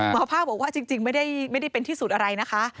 ภาคบอกว่าจริงไม่ได้เป็นที่สุดอะไรนะคะ